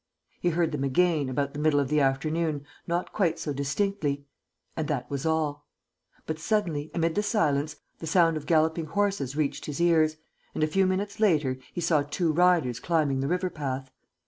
He heard them again, about the middle of the afternoon, not quite so distinctly; and that was all. But suddenly, amid the silence, the sound of galloping horses reached his ears; and, a few minutes later, he saw two riders climbing the river path.